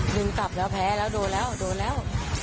หนึ่งกลับแล้วแพ้แล้วโดนแล้วโดนแล้ว